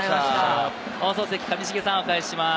放送席・上重さん、お返しします。